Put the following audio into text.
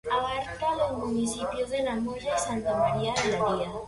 Abarca los municipios de Moya y Santa María de Guía.